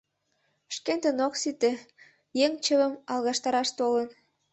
— Шкендын ок сите, еҥ чывым алгаштараш толын.